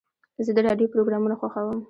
زه د راډیو پروګرامونه خوښوم.